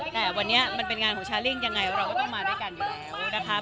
แต่วันนี้มันเป็นงานของชาลิ่งยังไงเราก็ต้องมาด้วยกันอยู่แล้วนะคะ